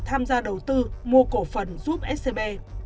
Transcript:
tham gia đầu tư mua cổ phần giúp scb